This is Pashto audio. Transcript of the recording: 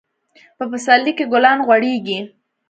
په پسرلي کي ګلان غوړيږي.